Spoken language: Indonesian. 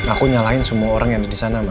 aku nyalain semua orang yang ada disana mbak